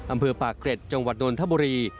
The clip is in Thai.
อำเภอปากเกร็ดจังหวัดนทบุรี